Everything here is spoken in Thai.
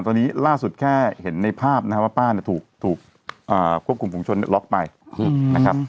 ตอนนี้ล่าสุดแค่เห็นในภาพนะครับว่าป้าเนี่ยถูกควบคุมฝุงชนล็อกไปนะครับ